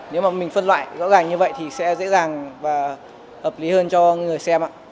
nếu mà mình phân loại rõ ràng như vậy thì sẽ dễ dàng và hợp lý hơn cho người xem ạ